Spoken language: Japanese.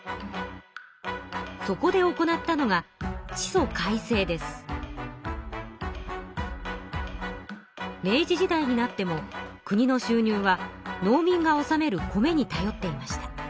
そこで行ったのが明治時代になっても国の収入は農民がおさめる米にたよっていました。